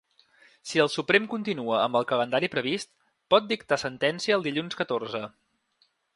Si el Suprem continua amb el calendari previst, pot dictar sentència el dilluns catorze.